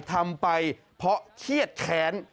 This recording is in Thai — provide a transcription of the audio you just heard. ทำไปเพราะเครียดแค้น